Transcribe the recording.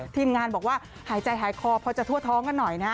ทีมงานบอกว่าหายใจหายคอพอจะทั่วท้องกันหน่อยนะ